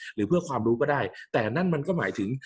หรือเพื่อความรู้ก็ได้แต่นั่นมันก็หมายถึง